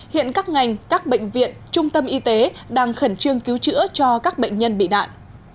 hiện các ngành các bệnh viện trung tâm y tế đang khẩn trương cứu chữa cho các bệnh nhân bị nạn